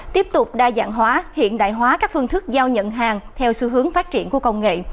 tiếp tục đa dạng hóa hiện đại hóa các phương thức giao nhận hàng theo xu hướng phát triển của công nghệ